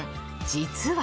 実は。